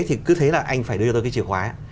thì cứ thế là anh phải đưa ra cái chiều khóa